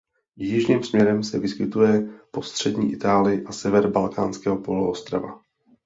Jižním směrem se vyskytuje po střední Itálii a sever Balkánského poloostrova.